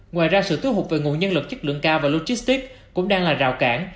ngoài ra sự thuất hụt về nguồn nhân lực chất lượng cao và logistics cũng đang là rào cản